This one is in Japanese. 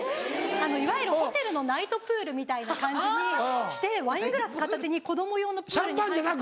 いわゆるホテルのナイトプールみたいな感じにしてワイングラス片手に子供用のプールに入って。